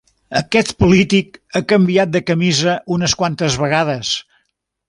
Aquest polític ha canviat de camisa unes quantes vegades.